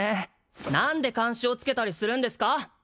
何で監視をつけたりするんですか？